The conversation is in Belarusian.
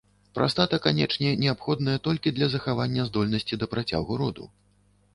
Прастата канечне неабходная толькі для захавання здольнасці да працягу роду.